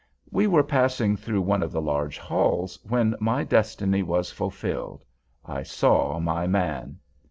We were passing through one of the large halls, when my destiny was fulfilled! I saw my man!